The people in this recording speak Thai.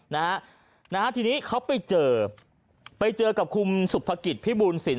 นะฮะนะฮะทีนี้เขาไปเจอไปเจอกับคุณสุภกิจพิบูลสิน